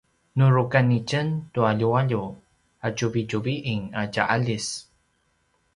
nu rukan itjen tua ljualju ’atjuvitjuvin a tja aljis